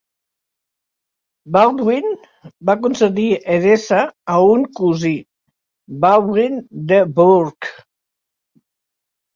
Baldwin va concedir Edessa a un cosí, Baldwin de Bourcq.